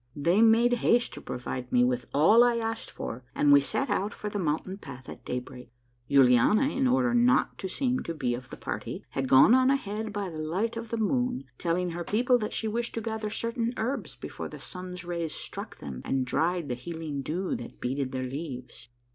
They made haste to provide me with all I asked for, and we set out for the mountain path at daybreak. Yuliana, in order not to seem to be of the party, had gone on ahead by the light of the moon, telling her people that she wished to gather certain herbs before the sun's rays struck them and dried the healing dew that beaded their leaves.